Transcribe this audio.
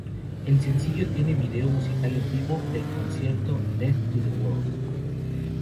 El sencillo tiene video musical en vivo, del concierto "Dead to the World".